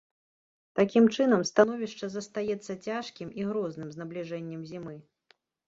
Такім чынам, становішча застаецца цяжкім і грозным з набліжэннем зімы.